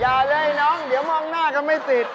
อย่าเลยน้องเดี๋ยวมองหน้ากันไม่ติด